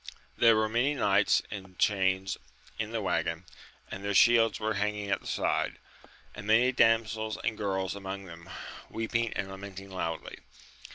There were many knights in chains in the waggon, and their shields were hanging at the side, and many damsels and girls among them weeping and lamenting loudly.